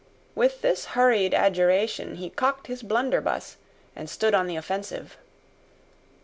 With this hurried adjuration, he cocked his blunderbuss, and stood on the offensive.